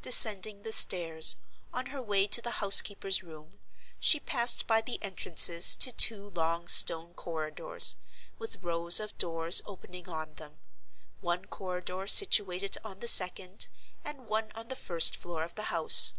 Descending the stairs, on her way to the house keeper's room, she passed by the entrances to two long stone corridors, with rows of doors opening on them; one corridor situated on the second, and one on the first floor of the house.